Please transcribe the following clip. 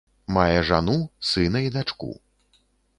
Мае жану, сына і дачку.